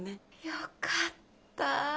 よかったぁ。